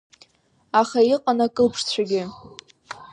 Аха иҟан акылԥшцәагьы.